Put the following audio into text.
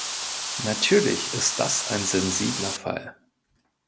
Natürlich ist das ein sensibler Fall.